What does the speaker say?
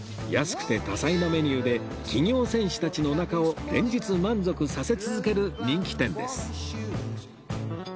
安くて多彩なメニューで企業戦士たちのお腹を連日満足させ続ける人気店です